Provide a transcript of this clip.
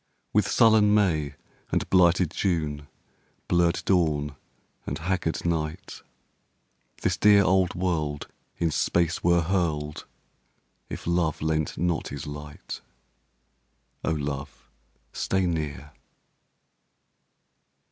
With sullen May and blighted June, Blurred dawn and haggard night, This dear old world in space were hurled If love lent not his light. (O love, stay near!)